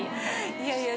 いやいや。